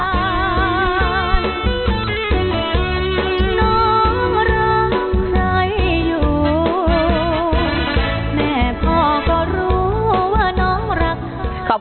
ขอบคุณคุณที่สาด้วย